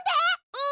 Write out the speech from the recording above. うん！